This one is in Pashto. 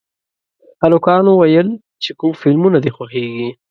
هلکانو ویل چې کوم فلمونه دي خوښېږي